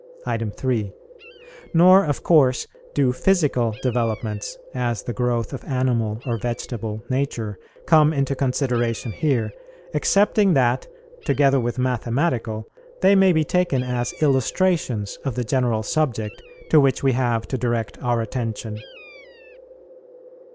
3. Nor, of course, do physical developments, as the growth of animal or vegetable nature, come into consideration here; excepting that, together with mathematical, they may be taken as illustrations of the general subject to which we have to direct our attention.